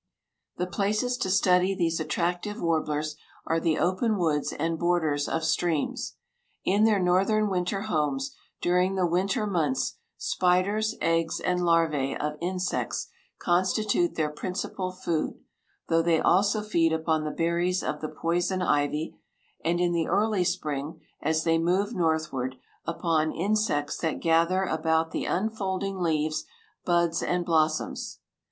The places to study these attractive warblers are the open woods and borders of streams. In their northern winter homes, during the winter months, spiders, eggs and larvæ of insects constitute their principal food, though they also feed upon the berries of the poison ivy, and in the early spring, as they move northward, upon "insects that gather about the unfolding leaves, buds, and blossoms."